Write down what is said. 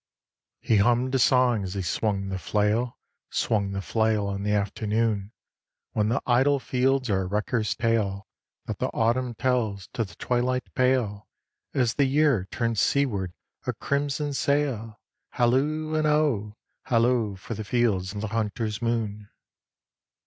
III. He hummed a song as he swung the flail, Swung the flail in the afternoon: "When the idle fields are a wrecker's tale, That the Autumn tells to the twilight pale, As the Year turns seaward a crimson sail, Halloo and oh! Hallo for the fields and the hunter's moon!"